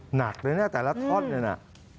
หนักเลยนะแต่ละทอดเลยนะ